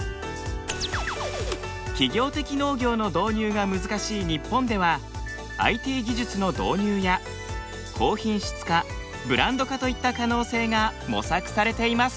企業的農業の導入が難しい日本ではＩＴ技術の導入や高品質化ブランド化といった可能性が模索されています。